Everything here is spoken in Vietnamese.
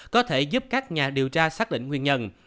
có thể giúp các nhà điều tra xác định nguyên nhân